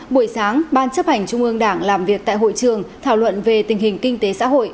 buổi sáng ban chấp hành trung ương đảng làm việc tại hội trường thảo luận về tình hình kinh tế xã hội